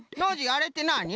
あれってなに？